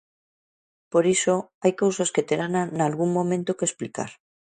Por iso hai cousas que terán nalgún momento que explicar.